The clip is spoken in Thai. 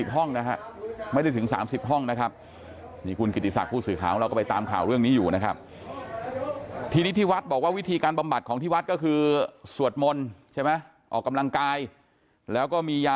ห้องนะฮะไว้ถึง๓๐ห้องนะครับนี่คุณกิติศักรณ์ผู้สื่อขาว